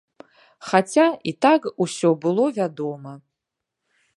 Хаця і так усё было вядома.